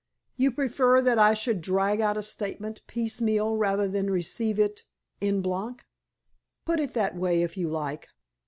"You prefer that I should drag out a statement piecemeal rather than receive it en bloc?" "Put it that way, if you like."